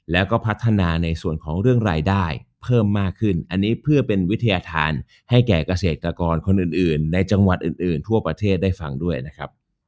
แล้วก็พัฒนาในส่วนของเรื่องรายได้เพิ่มมากขึ้นอันนี้เพื่อเป็นวิทยาธารให้แก่เกษตรกรคนอื่นในจังหวัดอื่นทั่วประเทศได้ฟังด้วยนะครับ